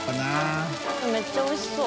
村重）めっちゃおいしそう。